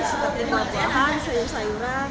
seperti makanan sayur sayuran daging